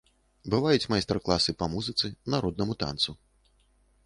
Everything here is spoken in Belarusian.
Бываюць майстар-класы па музыцы, народнаму танцу.